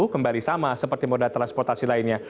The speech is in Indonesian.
kembali sama seperti moda transportasi lainnya